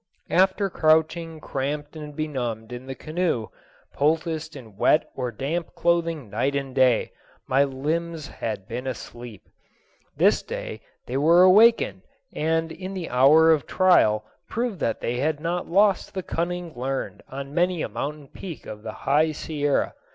After crouching cramped and benumbed in the canoe, poulticed in wet or damp clothing night and day, my limbs had been asleep. This day they were awakened and in the hour of trial proved that they had not lost the cunning learned on many a mountain peak of the High Sierra.